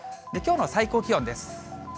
きょうの最高気温です。